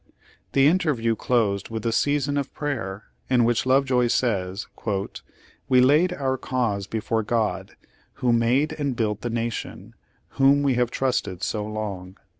The interview closed with a season of prayer, in which Lovejoy says, "We laid our cause before God, who made and built the Nation, whom we have trusted so long."